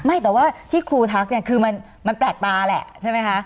ไม่แต่ว่าที่ครูทักเนี่ยคือมันแปลกตาแหละใช่ไหมคะ